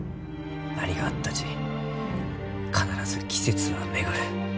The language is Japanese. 何があったち必ず季節は巡る。